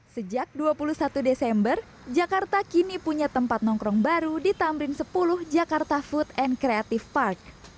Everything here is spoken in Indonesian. sejak dua puluh satu desember jakarta kini punya tempat nongkrong baru di tamrin sepuluh jakarta food and creative park